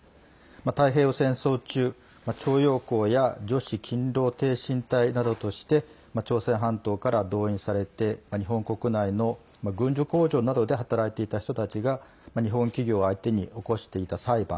太平洋戦争中、徴用工や女子勤労挺身隊などとして朝鮮半島から動員されて日本国内の軍需工場などで働いていた人たちが日本企業を相手に起こしていた裁判。